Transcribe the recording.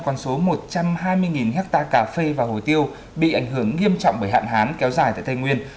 con số một trăm hai mươi hectare cà phê và hồ tiêu bị ảnh hưởng nghiêm trọng bởi hạn hán kéo dài tại tây nguyên